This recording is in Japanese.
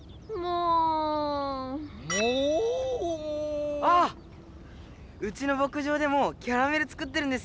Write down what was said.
うちのぼくじょうでもキャラメル作ってるんですよ。